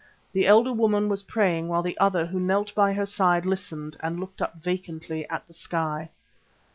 The elder woman was praying, while the other, who knelt by her side, listened and looked up vacantly at the sky.